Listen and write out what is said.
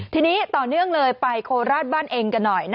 ทีนี้ต่อเนื่องเลยไปโคราชบ้านเองกันหน่อย